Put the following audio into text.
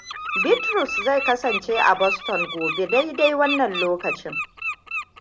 Bitrus zai kasance a Boston gobe dai-dai wannan lokacin.